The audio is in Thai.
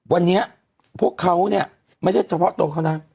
วันนี้พวกเขาเนี่ยไม่ใช่เฉพาะตัวเขานะ